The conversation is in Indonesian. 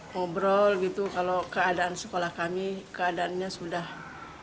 ngobrol gitu kalau keadaan sekolah kami keadaannya sudah